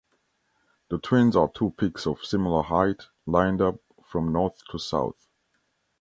The Twins are two peaks of similar height lined up from north to south.